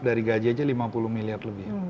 dari gaji aja lima puluh miliar lebih ya